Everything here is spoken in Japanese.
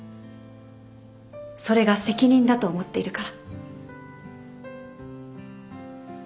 それが責任だと思っているから。